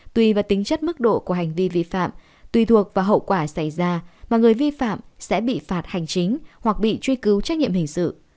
tùy vào tính chất mức độ của hành vi vi phạm tùy thuộc vào hậu quả xảy ra mà người vi phạm sẽ bị phạt hành chính hoặc bị truy cứu trách nhiệm hình sự